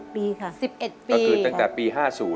๑๑ปีค่ะ๑๑ปีตั้งแต่ปี๕๐